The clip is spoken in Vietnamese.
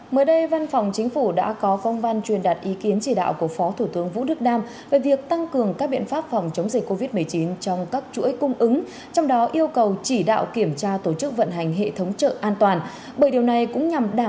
mới đây văn phòng chính phủ đã có công văn truyền đạt ý kiến chỉ đạo của phó thủ tướng vũ đức đam về việc tăng cường các biện pháp phòng chống dịch covid một mươi chín trong các chuỗi cung ứng trong đó yêu cầu chỉ đạo kiểm tra tổ chức vận hành hệ thống chợ an toàn